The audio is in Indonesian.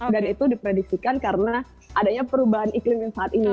dan itu dipredisitkan karena adanya perubahan iklim saat ini